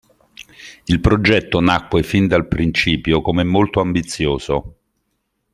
Il progetto nacque fin dal principio come molto ambizioso.